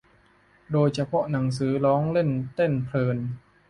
โดยเฉพาะ หนังสือ ร้องเล่นเต้นเพลิน